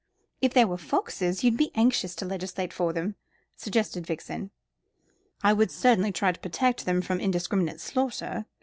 "If they were foxes, you'd be anxious to legislate for them," suggested Vixen. "I would certainly try to protect them from indiscriminate slaughter.